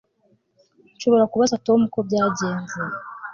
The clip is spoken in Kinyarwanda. Nshobora kubaza Tom uko byagenze